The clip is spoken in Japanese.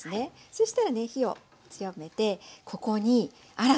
そうしたらね火を強めてここに新たに。